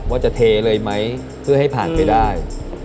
ว่าจะเทเลยไหมเพื่อให้ผ่านไปได้